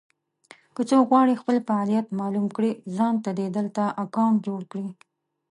که څوک غواړي خپل فعالیت مالوم کړي ځانته دې دلته اکونټ جوړ کړي.